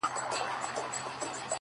زما د زړه گلونه ساه واخلي ـ